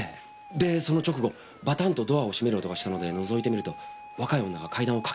でその直後バタンとドアを閉める音がしたのでのぞいてみると若い女が階段を駆け上がって行ったと。